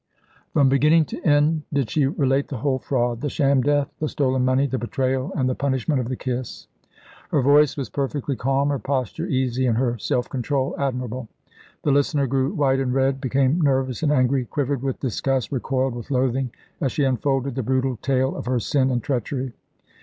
From beginning to end did she relate the whole fraud the sham death, the stolen money, the betrayal, and the punishment of the kiss. Her voice was perfectly calm, her posture easy, and her self control admirable. The listener grew white and red, became nervous and angry, quivered with disgust, recoiled with loathing, as she unfolded the brutal tale of her sin and treachery.